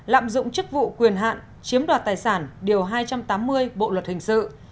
lạm dụng chức vụ quyền hạn chiếm đoạt tài sản điều hai trăm tám mươi bộ luật hình sự